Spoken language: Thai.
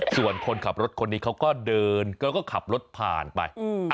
ส่วนคนขับรถคนนี้เขาก็เดินเขาก็ขับรถผ่านไป